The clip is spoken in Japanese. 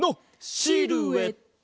シルエット！